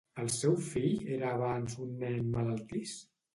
El seu fill era abans un nen malaltís?